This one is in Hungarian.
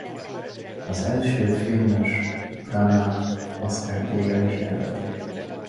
Az első filmes Branagh-t Oscar-díjra is jelölték.